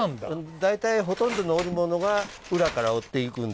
大体ほとんどの織物が裏から織っていくんです。